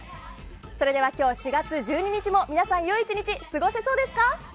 それでは今日４月１２日も皆さん、良い１日過ごせそうですか？